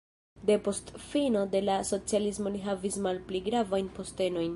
Depost fino de la socialismo li havis malpli gravajn postenojn.